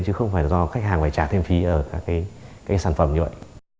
chứ không phải do khách hàng phải trả thêm phí ở các sản phẩm như vậy